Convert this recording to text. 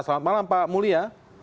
selamat malam pak mulia